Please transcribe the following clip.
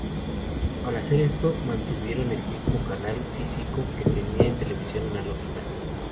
Al hacer esto, mantuvieron el mismo canal físico que tenían en televisión analógica.